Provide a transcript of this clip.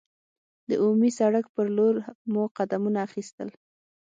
د عمومي سړک پر لور مو قدمونه اخیستل.